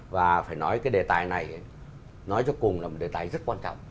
và phải nói cái đề tài này nói cho cùng là một đề tài rất quan trọng